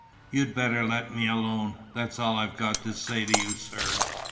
'You'd better let me alone, that's all I've got to say to you, sir!